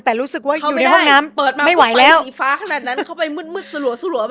แต่รู้สึกว่าเหมือนห้องน้ำไม่หว่ายแล้วเข้าไม่ได้เปิดมาเหรอ